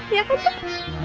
iya kan teh